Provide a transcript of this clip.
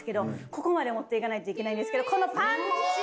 ここまで持っていかないといけないんですけどこのパンチング。